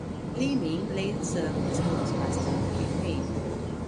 Leaming later served as postmaster of Cape May.